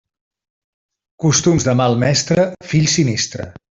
Costums de mal mestre, fill sinistre.